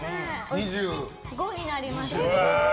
２５になりました！